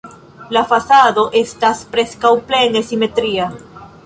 La fasado estas preskaŭ plene simetria.